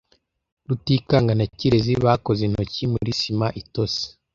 Rutikanga na Kirezi bakoze intoki muri sima itose.